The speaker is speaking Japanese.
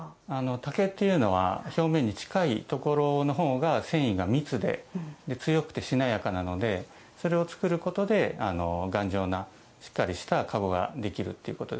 竹というのは表面に近いところの方が繊維が密で強くてしなやかなのでそれを作ることで頑丈なしっかりした籠ができるっていうことですね。